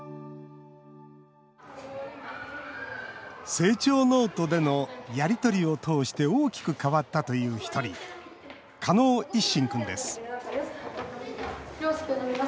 成長ノートでのやり取りを通して大きく変わったという一人加納一心君です